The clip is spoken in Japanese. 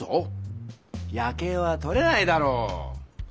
夜けいはとれないだろう！